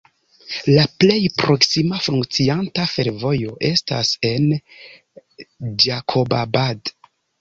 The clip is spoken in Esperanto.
La plej proksima funkcianta fervojo estas en Ĝakobabad.